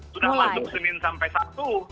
sudah masuk senin sampai sabtu